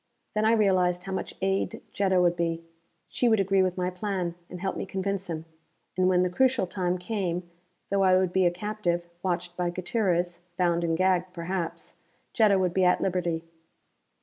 Then I realized how much aid Jetta would be. She would agree with my plan, and help me convince him. And when the crucial time came, though I would be a captive, watched by Gutierrez, bound and gagged, perhaps Jetta would be at liberty.